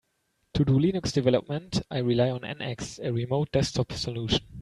To do Linux development, I rely on NX, a remote desktop solution.